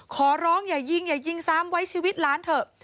ขอร้องอย่ายิงอย่ายิงซ้ำไว้ชีวิตล้านเถอะ